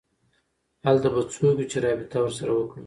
هلته به څوک وي چې رابطه ورسره وکړم